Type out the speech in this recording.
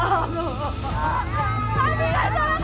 aku tidak bersalah